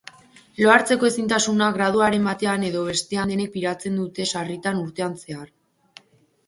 Loa hartzeko ezintasuna graduren batean edo bestean denek pairatzen dute sarritan urtean zehar.